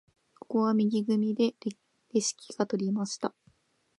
ここは右組でレシキが取りました。